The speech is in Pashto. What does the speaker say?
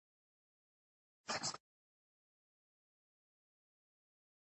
که پردي ځواک دلته پاتې وي، نو ازادي به نه وي.